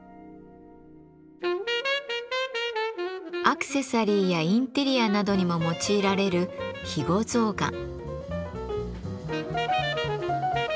アクセサリーやインテリアなどにも用いられる肥後象がん。